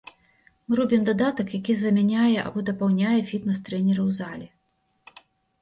Мы робім дадатак, які замяняе або дапаўняе фітнес-трэнера ў зале.